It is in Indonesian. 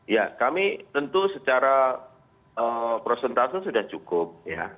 ya kami tentu secara prosentasenya sudah cukup